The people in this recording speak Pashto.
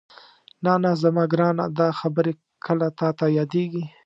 نه نه زما ګرانه دا خبرې کله تاته یادېږي؟